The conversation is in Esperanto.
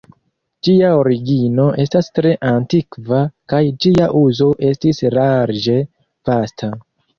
Ĝia origino estas tre antikva, kaj ĝia uzo estis larĝe vasta.